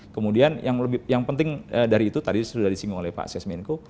kemudian yang penting dari itu tadi sudah disinggung oleh pak sesmenko